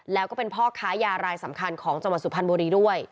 แล้วก็เป็นพ่อค้ายารายสำคัญของจังหวัดสุพรรณบุรีด้วย